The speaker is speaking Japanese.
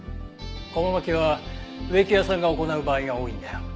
こも巻きは植木屋さんが行う場合が多いんだよ。